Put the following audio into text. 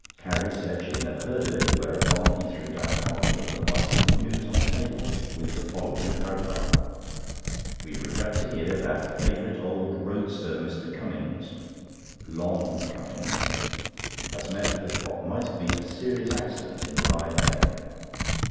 Carrie said she had never heard of it, whereupon he threw down a copy of the Bicycle News on the table, with the following paragraph: "We regret to hear that that favourite old roadster, Mr. Cummings ('Long' Cummings), has met with what might have been a serious accident in Rye Lane.